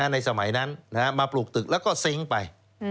ในสมัยนั้นมาปลูกตึกแล้วก็เซ้งไป